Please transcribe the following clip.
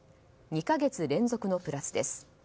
２か月連続のプラスです。